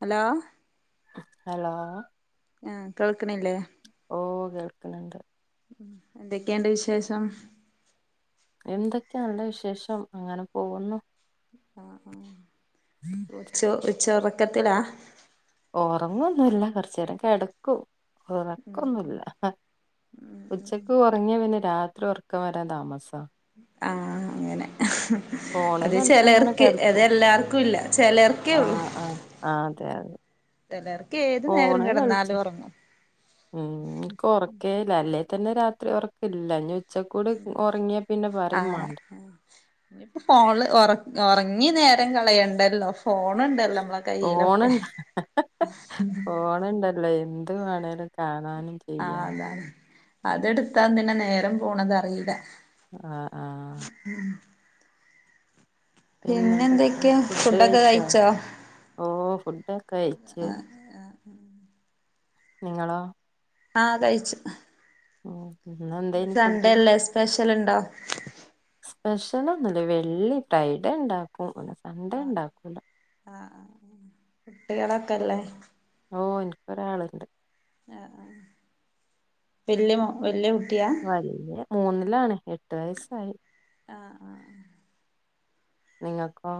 Hello hello ആ കേൾക്കണില്ലേ ഓ കേൾക്കുന്നുണ്ട് എന്തൊക്കെയുണ്ട് വിശേഷം എന്തൊക്കെ നല്ല വിശേഷം അങ്ങനെ പോകുന്നു ആ ആ ഉച്ച ച്ചറക്കത്തിലാ? ഓറങ്ങൊന്നുല്ല കൊറച്ചേരം കെടക്കും ഉറക്കൊന്നുംല്ല ഉച്ചക്ക് ഒറങ്ങിയ പിന്നെ രാത്രി ഉറക്കം വരാൻ താമസാ ആഹ് അങ്ങനെ ഫോണ് അത് കളിച്ചങ്ങനെ ചെലർക്ക് കിടക്കും അതെല്ലാർക്കും ഇല്ല ചെലർക്കേ ആ ഒള്ളൂ ആ ആ അതെ അതെ തെല്ലാർ ഫോണ് കളിച്ച് ഉം ൻകൊറക്കേല്ല അല്ലേ തന്നെ രാത്രി ഒറക്കില്ല ആ ഇനിപ്പോ ഫോണില് ഒറ ഇന്നി നേരം കളയണ്ടല്ലോ ഫോണുണ്ടല്ലോ മ്മളെ കയ്യിലൊക്കെ ഫോണുണ്ട അല്ല എന്ത് വേണേലും കാണ കാണും ആഹ് ചെയ്യാ അതാണ് അതെടുത്താ നിന്നെ നേരം പോണതറീല്ല ആഹ് ആഹ് പിന്നെ പിന്നെന്തൊക്കെ എന്തൊക്കെയാ ഫുഡ് ഫുഡൊക്കെ കഴിച്ചോ ഓ ഫുഡൊക്കെ കഴ്ച്ച് നിങ്ങളോ ആഹ് കഴിച്ചു ഉം ഇന്നെന്തേനി ഫുഡ് സൺഡേ അല്ലേ സ്പെഷ്യലുണ്ടോ ലൊന്നുല്ല വെള്ളി ഫ്രൈഡേ ണ്ടാക്കും സൺ‌ഡേ ഉണ്ടാക്കൂല കുട്ടികളൊക്കല്ലേ ഓ എനിക്കൊരാളുണ്ട് ആ വല്യ വല്യ കുട്ടിയാ വല്യത് മൂന്നിലാണ് എട്ട് വയസ്സായി നിങ്ങൾക്കോ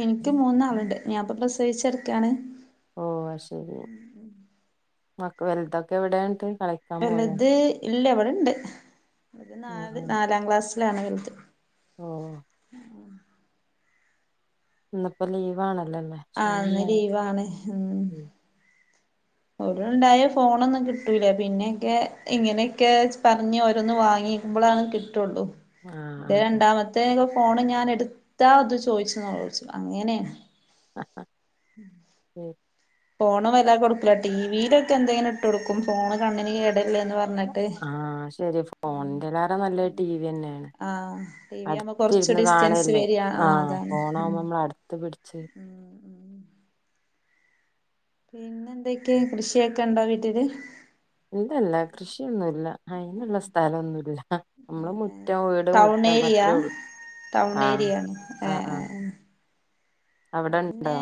എനിക്ക് മൂന്നാളുണ്ട് ഞാൻ പ്പ ബസ് ഫ്യൂചറ്ക്കാണ് ഓ അത് ശരി മ്മാക്ക് വലുതൊക്കെ ഇവിടെയെന്തായി കളിക്കാൻ പോയ വലുത് ഇല്ല ഇവിടണ്ട് ഒരു നാല് ആ നാലാം ക്ലാസ് ലാണ് വല്ത് ഓ ആ ഇന്നിപ്പോ ലീവ് ആണ് ആ ഇന്ന് ലീവാണ് ഉം ഓറ് ഉണ്ടായ ഫോണൊന്നും കിട്ടൂല പിന്നെയൊക്കെ ഇങ്ങനെയൊക്കെ പറഞ്ഞ് ഓരോന്ന് വാങ്ങിക്കുമ്പഴളാണ് കിട്ട് ട്ടൊള്ളു ആ എന്റെ അതെ രണ്ടാമത്തെ ഫോണ് ഞാൻ എടുത്താ അത് ചോയിച്ച് നോലോൽയ്ച്ച് അങ്ങനെയാ ആഹ [inaudible] ഫോണ് വല്ലാ കൊടുക്കില്ല ടിവിയിലൊക്കെ എന്തെങ്കിലും ഇട്ട് കൊടുക്കും ഫോണ് കണ്ണിന് കേട ആഹ ശരി ഫോണിന്റെ കാട്ടും നല്ല ടി വി തന്നെയാണ് ആഹ് ടി വി ആവുമ്പോ കൊറച്ച് അടുത്തിരുന്ന് ഡിസ്റ്റൻസ് കാണല്ലേ വരിക ആ അതാണ് ഫോണ് ഉം ആകുമ്പോ നമ്മള അടുത്ത് ച്ച് ഉം പിന്നെന്തൊക്കെയ കൃഷിയൊക്കെ ഇണ്ടോ വീട്ടില് ഇല്ലല്ല കൃഷിയൊന്നൂല്ല അയിതിനുള്ള സ്ഥലംന്നുല്ല നമ്മള് മുറ്റം വീട് ടൗൺ മുറ്റം ഏരിയ അത്രേ ഉള്ളൂ ടൗൺ ഏരിയ അവിടെ ആദ് ഉണ്ടോ പിന്നെ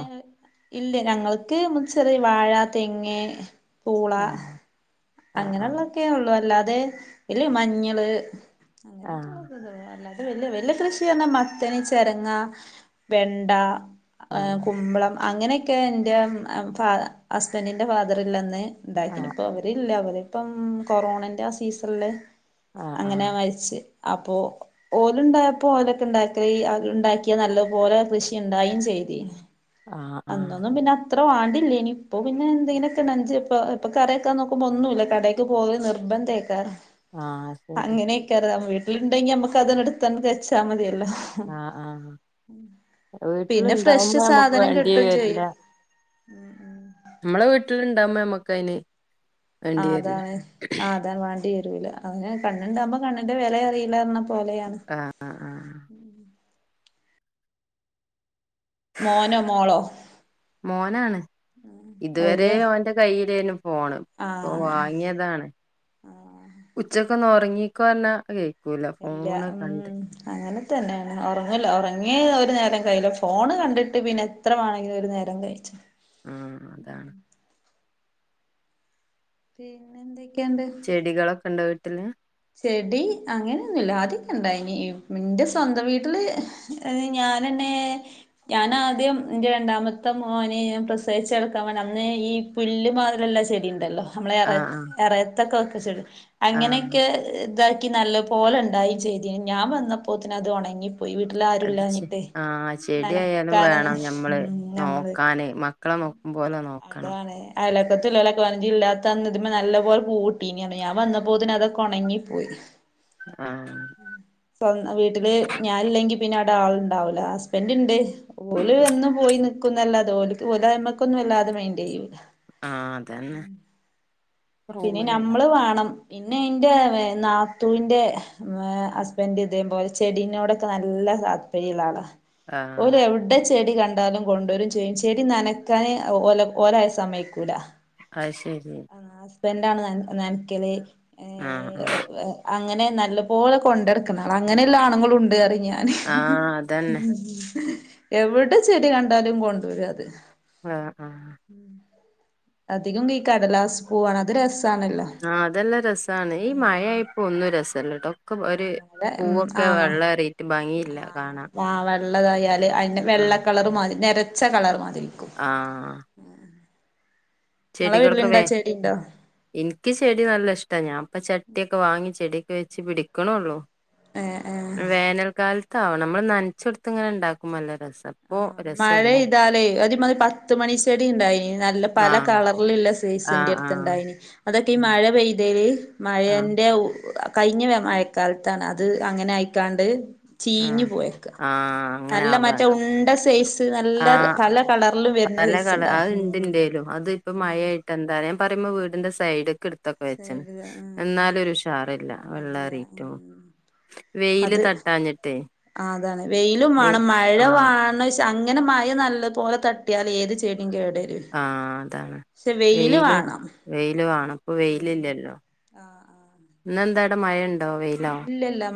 ഇണ്ട് ഞങ്ങൾക്ക് മു ചെറിയ വാഴ തെങ്ങ് പൂള ആഹ് ആഹ് അങ്ങനെയുള്ളക്കെയെ ഒള്ളൂ വല്ലാതെ ഇല്ല മഞ്ഞള് അങ്ങനെ ആഹ് തോന്നത് അല്ലാ വല്യ വല്ല്യ കൃഷി എന്നാ മത്തന് ചെരങ്ങ വെണ്ട ആ ആഹ് കുമ്പളം അങ്ങനെയൊക്കെ എൻ്റെ ഫ ഹസ്ബൻഡിൻ്റെ ഫാദറിൽനിന്ന് ണ്ടായതിന് ആഹ് ഇപോ അവരു ല്ലപോലും ഇപ്പം കൊറോണന്റെ ആ സീസണില് ആഹ് ആഹ് അങ്ങനെ ആഹ് മരിച്ച് അപ്പോ ഓലുണ്ടായപ്പോ ഓലൊക്കെ ഉണ്ടാക്കറി അലുണ്ടാക്കിയാ നല്ലപോലെ കൃഷി ഉണ്ടായും ചെയ്തിനി ആഹ ആ ഇത്ര വാണ്ടില്ലെയ്നി ഇപ്പൊ പിന്നെ എന്തെങ്കിലൊക്കെ നഞ്ച് ഇപ്പോ ഇപ്പൊ കറി വെക്കാൻ നോക്കുമ്പോൾ ഒന്നുല്ല കടേക്ക് പോവൽ നിർബന്ധ ഐക്കാരം ആഹ് ശരി അങ്ങനെയൊക്കെറതാ വീട്ട ഇണ്ടെങ്കി നമുക്ക് അത് എടുത്തന്ന് വെച്ചാൽ മതിയല്ലോ ആഹ ആഹ് വീട്ടില പിന്നെ ഇണ്ടാവുമ്പോ ഫ്രഷ് നമ്മുക്ക് വേണ്ടി വരണ്ട [inaudible] ഉം ഉം നമ്മളെ വീട്ടില ഇണ്ടാമ്മ നമ്മക്ക അയിന് വേണ്ടി വരില്ല ആതാണ് ആതാ വാണ്ടി വരൂല അതെ കണ്ണുണ്ടാ ഉമ്പോ കണ്ണിന്റെ വില അറിയില്ലാരണം പോലെയാണ് ആഹ് ആഹ് ആഹ് മോനോ മോളോ മോനാണ് ഇതുവരെ ഓല് ഓന്റെ കയ്യിൽ [unintelligible] നും പോണം ഇപ്പ ആ വാങ്ങിയതാണ് ഉച്ച ഒക്കൊന്ന് ഉറങ്ങിക്കൊന്നാ അ ഇല്ല ഉ അങ്ങനെ തന്നെയാണ് ഉറങ്ങല ഉറങ്ങിയ ഒരു നേരം കയ്യില ഫോണ് കണ്ടിട്ട് പിന്നെ എത്ര വേണെങ്കിലും ഒരു നേരം കഴിച്ചു ഉം അതാണ് പിന്നെ എന്ത. ചെടികളൊക്കെ ഉണ്ടോ വീ പിന്നെ ചെടി അങ്ങനെയൊന്നുല്ല ആദ്യ ഒക്കെ ഇണ്ടായിനി എന്റെ സ്വന്തം വീട്ടില് ഞാനെന്നെ ഞാനാദ്യം എന്റെ രണ്ടാമത്തെ മോനെ ഞാൻ പ്രസവിച്ച എടുക്കാൻ വേണ്ട അന്ന് ഈ പുല്ല് മാതിലല്ലാ ചെടി ഉണ്ടല്ലോ നമ്മളെറ ഇറയത്തൊക്കെ [inaudible] ആഹ ഇതാക്കി നല്ല പോലെ ഉണ്ടായും ചെയ്തിന് ഞാൻ വന്നപ്പോത്തന് അത് ഉണങ്ങി പോ അത്ചെആഹ ചെടിആയാലും നനക്കാനൊന്നും വേണം ഞമ്മള് ഉം നമ്മള് നോക്കാന് മക്കളെ നോക്കും പോലെ നോക്കണം അയലക്കത്ത്ള്ളോലക്കെ പറ ജ് ഇല്ലാത്തന്ന് ഇതിമ്മ നല്ല പോലെ പൂവിട്ടീഞ്ഞി ഞാ വന്നപ്പോതിനന് അതെ ഒണങ്ങി പോയി ആ വീട്ടില് ഞാനില്ലെങ്കി പിന്നെ അട ആൾണ്ടാവൂല ഹസ്ബൻഡ് ഇണ്ട് ഓല വന്ന് പോയി നി ക്കുംന്ന അല്ലാതെ അയ്മക്കൊന്നും വല്ലാതെ മെയിന്റെയ്യൂല ആഹ അതന്നെ പിന്നെ റൂമിലുണ്ട നഞമ്മള് വേണം പിന്നെ എന്റെ നാത്തുവിന്റെ ഹസ്ബൻഡ് ഇതേപോലെ ചെടിനോട് ടൊക്കെ നല്ല താത്പര്യങ്ങളാണ് ആ ഓ എവിടെ ചെടി കണ്ടാലും കൊണ്ടുവരും ചെയ്യും ചെടി നനക്കാനെ ഓലായ സമയക്കൂല ഉം ഉം ഇപ്പ എന്താണ് നനക്കലേ ഏ ആ [unintelligible] അങ്ങനെ നല്ലപോലെ കൊണ്ടെടുക്കണം അങ്ങനെല്ലാ ആണുങ്ങളുണ്ട് അറി- ഞാൻ ആ ആ അതന്നെ - എവിടെ ചെടി കണ്ടാലും കൊണ്ട വരാതെ- ആഹ ആഹ് അധികം ഈ കടലാസ് പോവാണ് അത് രസ ആഹ അതെല്ലാം രസമാണ് ഈ മഴയായിപ്പോ ഒന്നും രസം ചെല്ലട്ടോ [unintelligible] നക്ക ഒരു ആഹ് മഴ ഉം പൂവൊക്കെ ആഹ് വെള്ള റേറ്റ് ഭംഗിയില്ല കാണാം അല്ലതായ അ വെള്ള കളർ മാതി നിര പച്ച കളർ വ ആഹ ഇങ്ങളെ ചെടികളൊക്കെ വീട്ടിലുണ്ടോ ചെടി ഇണ്ടോ എനിക്ക് ചെടി നല്ല ഇഷ്ടമാണ് ഞാൻപ്പ ചട്ടിയൊക്കെ വാങ്ങി ചെടി വെച്ച് പിടിക്കണള്ളോ ഏഹ് ഏഹ് വേനൽക്കാല- അതാവോ നമ്മള് നനച്ച കൊടുത്ത് ഇങ്ങനെ ഉണ്ടാക്കുംല്ല ആ മഴ ഇതാലേ ഒരുമാതിരി പത്ത് മണിച്ചെടി ഉണ്ടായി നല്ല പല ആഹ് കളർ ില്ല ആഹ് സയ്്സിന്റെറെ ആഹ് അടുത്ത്ണ്ടായിന് അതൊക്കെ ഈ മഴ പെയ്തല് ആഹ് മഴയന്റയ് കഴിഞ്ഞ മഴക്കാലത്താണ് അത് അങ്ങനെ ആയിക്കാണ്ട് ഉ ചീഞ്ഞു ആഹ അങ്ങനെ ആവയാണ് എണ്ട സേഫ [unintelligible] നല്ല പല കളറിലും വരുന്ന പല സൈസ്സ് കള അത് ഉണ്ടാവും. ഇണ്ട് പറയുമ്പോവീടിന്റെ സൈഡക്കെ ഇടു ഉഷാറില്ല വെള്ളേറിയിട്ടും വെയില് അത് തട്ടാഞ്ഞിട്ടേ വെയിലും വെയ് വേണം മഴ ആഹ് വാണ അങ്ങനെ മഴ നല്ലതു പോലെ തട്ടിയാൽ ഏത് ചെടിം കേട് വെരും ആഹ് അതാണ് വെയിലും വെയില് വാണം പ്പൊ വെയിലില്ലല്ലോ ആഹ് ആഹ് ഇന്ന് എന്താവടെ മഴ ഉ ണ്ടോ വെയിലോ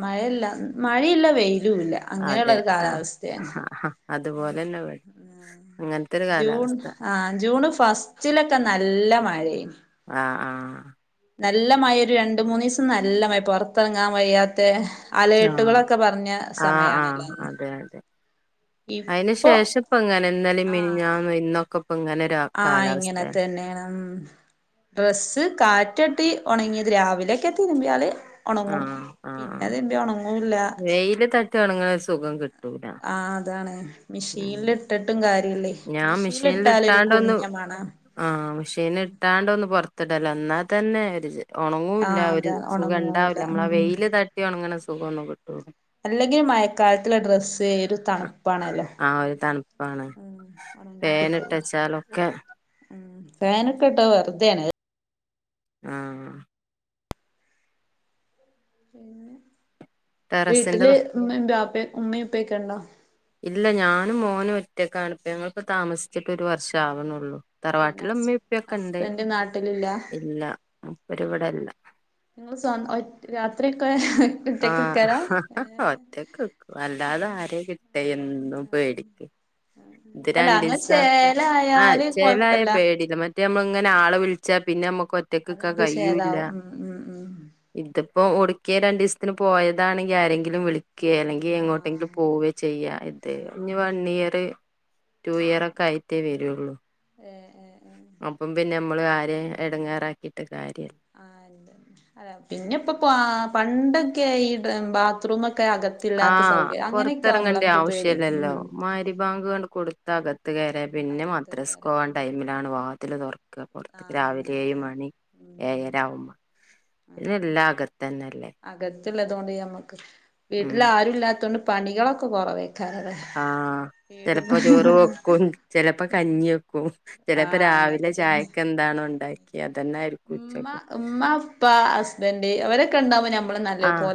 മഴയല്ല മഴയില്ല വെയി ലുല്ല അങ്ങനെള്ള അതെ ഒരു ആഹ് കാലാവസ്ഥണ് ആഹ് അതുപോലെന്നെ ഇവടിം അങ്ങനത്തൊരു ജൂൺ കാലാവസ്ഥ ആ ജൂണ് ഫസ്റ്റിലൊക്കെ നല്ല മഴ ആ നല്ല മഴ ഒരു രണ്ട് മൂന്നീസം നല്ല മഴ പൊറത്തിറങ്ങാൻ വയ്യാത്തെ ആ അലേർട്ടുകളൊക്കെ പറഞ്ഞ ആ ആ സമയാണല്ലോ അന്ന് അതെ അതെ ഇപ്പൊ ആ ഇങ്ങനെ ഒരു ആ ഇങ്ങനെ കാലാവസ്ഥയാണ് തന്നെണ് ഡ്രസ്സ് കാറ്റട്ടി ഒണങ്ങിയത് രാവിലെയൊക്കെ തിരുമ്മിയാല് ഒണങ്ങും ആഹ് ആഹ് ആഹ് പിന്നെതിരുമ്പിയാഉണങ്ങ വെയില് ത ട്ട് ഒണങ്ണെ സുഖം കി ആ അതാണ് മെഷീനില്ഇട്ടിട്ടും കാര ഞാൻ മെഷീനിൽ ഇട്ടാണ്ടൊന്ന് മണാണ് ആ മെഷീനി ഇട്ടാണ്ട ഒന്ന് പുറത്ത് ടല ന്നാത്തെന്നെ ഒരു ഒണങ്ങൂല്ല ആഹ് ഒരു അതാ സുഖം ഒണങ്ങൂല ഉണ്ടാവില്ല നമ്മളആ ഉം വെയില് തട്ടി ഒണങ്ങനെ സുഖോന്നും കി അല്ലെങ്കിൽ മഴക്കാലത്തിലെ ഡ്രസ്സ് ഒരു തണുപ്പാണല്ലോ ഒണങ്ങി ഫാന്ഇട്ടെച്ചാലൊക്കെ ഫാനൊക്ക്ട്ടാ വെറുതേണ് ആ പിന്നെ ടെറസിന്റെ വീട്ടില് ഉമ്മ ബാപ്പയും ഉമ്മ ഉപ്പയെക്കെ ഉണ്ടോ ഇല്ല ഞാനും മോനും ഒറ്റക്കാണിപ്പം ഞങ്ങൾക്ക് താമസിച്ചിട്ട് ഒരു വർഷം ആവ്ണൊള്ളു ഹസ് ഹസ്ബന്റ്നാട്ടിലില്ല ഇല്ല മൂപ്പര് ഇവിടെല്ല നിങ്ങള് സ്വ രാത്രി ക്കെ ആഹ ഒറ്റക്ക് വക്കും അല്ലാതെ ആര കിട്ട എന്നും പേടിക്ക് ഇത് അല്ല രണ്ട് അങ്ങനെ ദിവസം ആ ചേലായാല് ചേലായ കൊഴപ്പല്ല പേടില്ല മ നമ്മളിങ്ങനെ ആളെ വിളിച്ചാ പിന്നെ അത് കൊറ്റക്കക്ക നമുക്ക് കയ്യൂല്ല ഷെയറാവും ഉം ഉം ഉം ഇത് ഇപ്പൊ [unintelligible] രണ്ട് ത്തിന് പോയതാണെങ്കിൽ ആരെങ്കിലും വിളിക്ക ക്ക അല്ലെങ്കി ആഹ് എങ്ങോട്ടെങ്കിലും അങ്ങനെ പോവ ചെയ്യാ ഇത് ഇനി ആഹ് വൺ ഇയർ ടു ഇയറൊക്കെആയിട്ടേ വരുള്ളൂ ഏഹ് ഏഹ് ഏഹ് അപ്പം പിന്നെ നമ്മള് കാര്യം എടങ്ങാറാക്കിട്ട് കാര്യ ആഹ അ പിന്നെപ്പോ പണ്ടൊക്കെ ഈ ബാത്റൂമ് ഒക്കെ ആഹ പൊറത്തിറങ്ങേണ്ട നമുക്ക് പേടി ആവശ്യല്ലല്ലോ ഉം [unintelligible] കൊടുത്താഗത്ത് പത്ത് കയറ പിന്നെ അകത്ത് മദ്രസ് കയറി പോകവാൻ ഉം ടൈമിലാണ് വാ [unintelligible] പുറത്തേക്ക് ആഹ് രാവിലെ ഏഴ് അങ്ങനത്തെ മണി ഉം ഉം ഏകരാവുമ്പ പിന്നെ എല്ലാ അകത്തന്നെല്ലേ ല്ലതുകൊണ്ട് ഞമ്മക്ക് ഉം വീട്ടിൽ ആരും ഇല്ലാത്തൊണ്ട് പണികളൊക്കെ കുറവേ ആഹ ചെലപ്പോ ചോറ് പണികള് വെക്കും ചെലപ്പോ കഞ്ഞി വെക്കും ചിലപ്പോ ആഹ് അങ്ങനെ രാവിലെ തന്നെ ചായക്ക്‌ എന്താണ ഉണ്ടാക്കി അതന്നെ ആയിരിക്കും ഉച്ചക്കും അവരൊക്കെണ്ടാവ ആഹ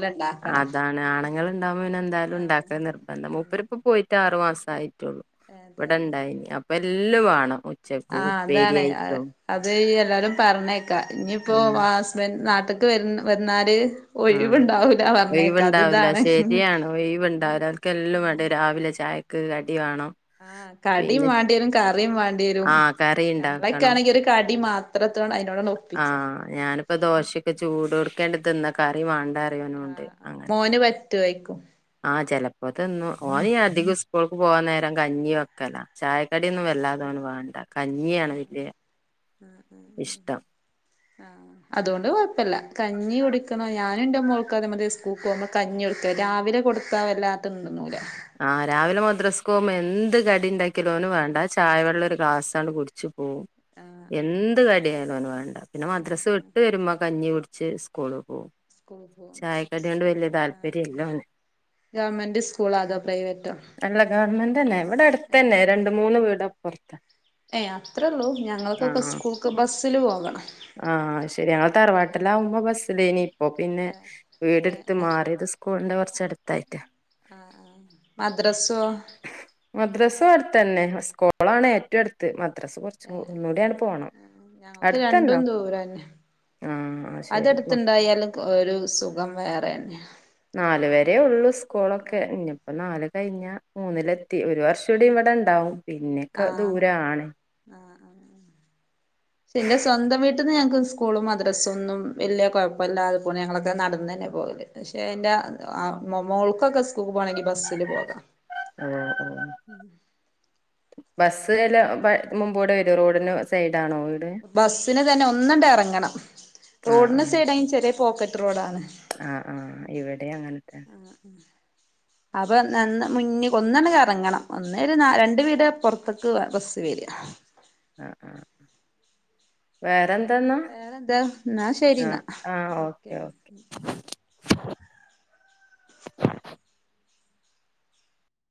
അതാണ് ആണുങ്ങൾ ഉണ്ടാവ്മ്പേ പിന്നെ എന്തായാലും ആഹ് ഉണ്ടാക്ക നിർബന്ധം ഉം മൂപ്പര് ഇപ്പ പോയി ആറു മാസമായി ഇവിടെണ്ടായി അപ്പ [unintelligible] ആഹ അതാണ് അത് എല്ലാരും പറഞ്ഞേക്കാം ഇനിയിപ്പോ ഉം ഹസ്ബന്റ നാട്ട് അതൊക്കെ വ വന്നാല് ആ ഒഴിവുണ്ടാവൂല പറഞ്ഞേക്കാ അത് ഒഴിവ്ണ്ടാവൂല്ല ഇതാണ് ശരിയാണ് ഒഴിവ്ണ്ടാവില്ല അവക്കെല്ലാം വേണ്ട രാവിലെ ചായ [unintelligible] ആഹ കടിയും വേണ്ടി വരും കറിയും വേണ്ടി വരും ആഹ് നമ്മളൊക്കൊണെങ്കി ഒരു കടി മാത്രം ആ ഞാനിപ്പോ ദോശൊക്കെ ചൂട് കൊടുക്കേണ്ടിതിന്ന ക [unintelligible] വാണ്ടാ ആ മോന് പറ്റുയിക്കും ആ ചിലപ്പോതുന്നു ഓനി അധികം സ്കൂൾക്ക് പോകൻ നേരം കഞ്ഞി വെക്കല ചായക്കടിയൊന്നും ആഹ് വല്ലാതോന് വാണ്ടാ കഞ്ഞിയാണ് വല്ല്യ ആ അതുകൊണ്ട് കൊഴപ്പല്ല കഞ്ഞി കുടിക്കണ ഞാൻ ഞന്റെ മോൾക്കാ അതെമതി സ്കൂക്കോക്പോ കഞ്ഞിയൊട്ക രാവിലെ കൊട്ത്ത വല്ലാ തിന്നൂല ആ രാവിലെ മദ്രസ്കോവുമ്പൊ എന്ത് കടിണ്ടാ കിലോന് വേണ്ട ചായ വെള്ളം ഇല്ല ഒരു ഗ്ലാസ്സാണ് കുട് ഓ ആഹ് ആഹ് ആഹ് എന്ത് കടിയായാലും ഓന് വേണ്ട പിന്നെ മദ്രാസ് വിട്ട് വരുമ്പോ കഞ്ഞി കുട്ച്ച് സ്കൂള് പോവും ചായക്കടിയോണ്ട് വല്യ താല്പര്യല്ല ഓന് ഗവമെന്റ് സ്കൂ ളതോ പ്രൈവറ്റോ ന്റന്നെ വടെ അടുത്തന്നെ രണ്ട് മൂന്ന് വീ ദപ്പറത്ത ഏ അത്രള്ളൂ ഞങ്ങൾക്കൊക്കെ ആഹ് സ്കൂൾക്ക് ബസ്സ്ല് പോക ലാവുമ്പോ ബസ്സ്ലേനി പ്പൊ പിന്നെ ഏഹ് വീടട്ത്ത് മാറിയത് സ്കൂളിന്റെ കുറച്ച് ചെടുത്തായിറ്റ ആആ മദ്രാസോ തന്നെ സ്കോളാണ് ഏറ്റവും അടുത്ത് മ ഏ ഞങ്ങൾക്ക് അടുത്തന്നെ രണ്ടും ഒക്കെ ദൂരംന്നെ ആഹ് ശരി അതടുത്തണ്ടായാലും ഒരു സുഖം വേറെന്നെ നാല് വരേ ഉള്ളു സ്കൂളൊക്കെ ഇനിയിപ്പോ നാല് കഴിഞ്ഞ മൂന്നില ത്തി ഒരു വർഷം കൂടി ഇവിടെ ഇണ്ടാവും പിന്നെയക്കെ ആഹ് ദൂരാണ് പിന്നെ സ്വന്തം വീട്ട്ന്ന് ഞങ്ങക്ക് സ്കൂളും മദ്രസും ഒന്നും വലിയ കുഴപ്പമില്ലാതെ പോണ് ഞങ്ങളൊക്കെ നടന്ന തന്നെ പോകല് പക്ഷെ ന്റെ മൊ മ്മോൾക്കൊക്കെസ് കൂക് പോണെങ്കിൽ ബസ്സില് പോക ഓ ബസ്സ് എല്ലാം പ മുമ്പോടെ വരും റോഡിനും സൈഡ ബസ്സിന് തന്നെ ഒന്നണ്ട ഇറങ്ങണം ആ റോഡിന് സൈഡ ചെറിയ പോക്കറ്റ് റോഡാണ് ആ ആ ഇവിടെ അങ്ങനെത്തന്നെ അപ്പൊ നന്ന മുന്നി ഒന്നണങ്ങ ഇറങ്ങണം ഒന്നേ ഒരു രണ്ട വീട് പ്പൊറത്തക്ക് ബസ് വര ആ ആ വേറെ വേറെ എന്താ എന്നാ ശരി ന്നാ ആ ഓക്കെ ഓക്കെ ഒക്കെന്നാ